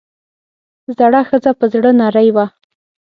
زړه ښځه پۀ زړۀ نرۍ وه ـ